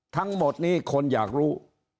ทั้งหมดนี้คนอยากรู้